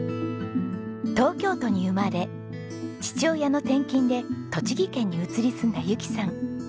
東京都に生まれ父親の転勤で栃木県に移り住んだ由紀さん。